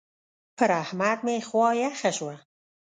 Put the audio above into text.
پر احمد مې خوا يخه شوه.